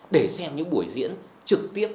để xem những buổi diễn trực tiếp